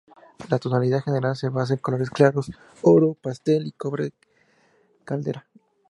La tonalidad general se basa en colores claros, oro, pastel y cobre caldera.